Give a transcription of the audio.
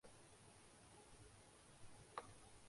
تحریک انصاف کے علی زیدی